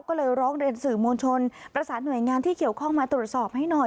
ก็เลยร้องเรียนสื่อมวลชนประสานหน่วยงานที่เกี่ยวข้องมาตรวจสอบให้หน่อย